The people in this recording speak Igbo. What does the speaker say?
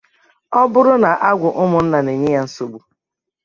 ọ bụrụ na ọ bụ agwụ ụmụnna na-enye ya nsogbu